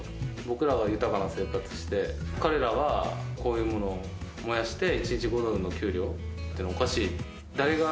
僕らが豊かな生活をして彼らがこういうものを燃やして、一日５ドルの給料っていうのはおかしい。